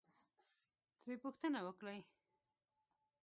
ترې پوښتنه وکړئ،